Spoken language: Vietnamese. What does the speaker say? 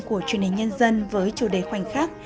của truyền hình nhân dân với chủ đề khoảnh khắc